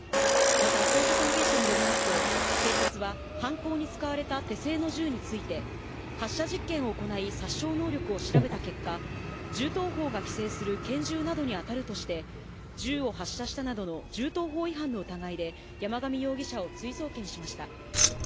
また、捜査関係者によりますと、警察は、犯行に使われた手製の銃について、発射実験を行い、殺傷能力を調べた結果、銃刀法が規制する拳銃などに当たるとして、銃を発射したなどの銃刀法違反の疑いで、山上容疑者を追送検しました。